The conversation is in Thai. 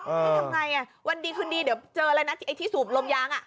ทำไงอ่ะวันดีคืนดีเดี๋ยวเจออะไรนะไอ้ที่สูบลมยางอ่ะ